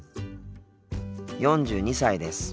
４２歳です。